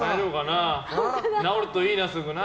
治るといいな、すぐな。